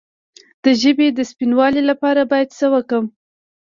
د ژبې د سپینوالي لپاره باید څه وکړم؟